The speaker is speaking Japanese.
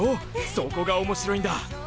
そこが面白いんだ！